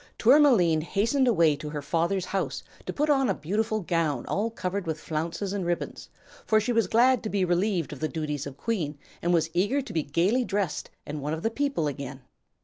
Tourmaline hastened away to her father's house to put on a beautiful gown all covered with flounces and ribbons, for she was glad to be relieved of the duties of Queen and was eager to be gaily dressed and one of the people again.